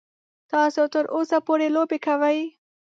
تاسو تر اوسه پورې لوبې کوئ.